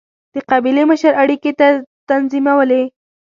د قبیلې مشر اړیکې تنظیمولې.